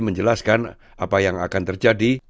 menjelaskan apa yang akan terjadi